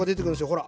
ほら